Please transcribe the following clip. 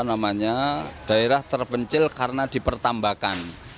karena hanya daerah terpencil karena dipertambahkan